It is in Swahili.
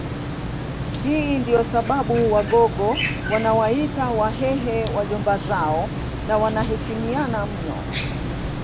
Hii ndiyo sababu Wagogo wanawaita Wahehe Wajomba zao na wanaheshimiana mno